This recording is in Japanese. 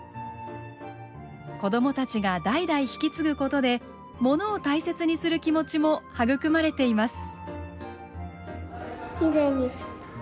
子供たちが代々引き継ぐことでものを大切にする気持ちも育まれています。